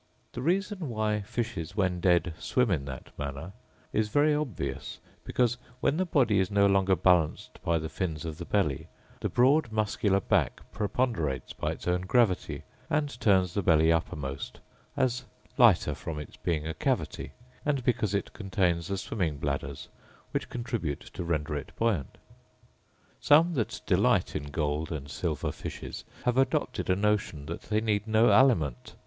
The reason why fishes, when dead, swim in that manner is very obvious; because, when the body is no longer balanced by the fins of the belly, the broad muscular back preponderates by its own gravity, and turns the belly uppermost, as lighter from its being a cavity, and because it contains the swimming bladders, which contribute to render it buoyant. Some that delight in gold and silver fishes have adopted a notion that they need no aliment.